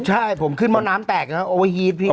ใช่ผมขึ้นหม้อน้ำแตกนะโอเวอร์ฮีตพี่